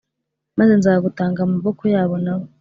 Maze nzagutanga mu maboko yabo na bo